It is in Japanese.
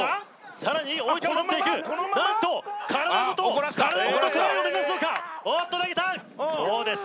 さらに覆いかぶっていくなんと体ごと体ごとトライを目指すのかおっと投げたそうです